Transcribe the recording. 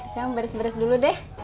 saya beres beres dulu deh